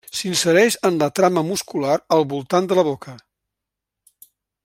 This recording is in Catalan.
S'insereix en la trama muscular al voltant de la boca.